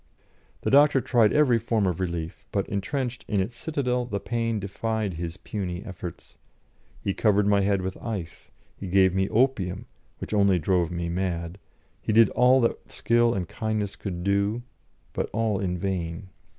The doctor tried every form of relief, but, entrenched in its citadel, the pain defied his puny efforts. He covered my head with ice, he gave me opium which only drove me mad he did all that skill and kindness could do, but all in vain.